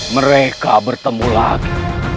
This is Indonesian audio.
mereka bertemu lagi